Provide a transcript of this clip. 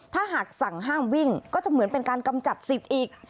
ถ้าหากสั่งห้ามวิ่งก็จะเหมือนเป็นการกำจัดสิทธิ์อีก